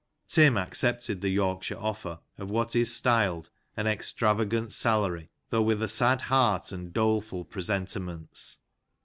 Tim accepted the Yorkshire offer of what is styled an " extravagant salary," though with a sad heart and dole fiil presentiments.